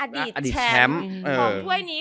อดีตแชมป์ของช่วยนี้